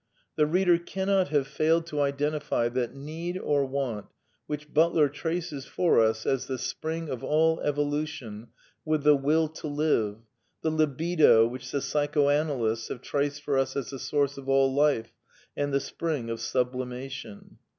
The reader cannot have failed to identify that need or want, which Butler traces for us as the spring of all evolution, with the Will to live, the " libido " which the psychoanalysts have traced for us as the source of all life and the spring of sublimation.